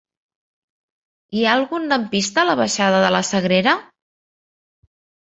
Hi ha algun lampista a la baixada de la Sagrera?